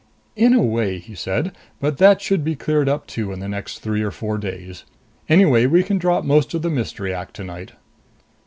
"In a way," he said. "But that should be cleared up too in the next three or four days. Anyway we can drop most of the mystery act tonight."